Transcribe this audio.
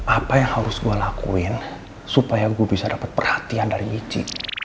apa yang harus gue lakuin supaya gue bisa dapat perhatian dari michi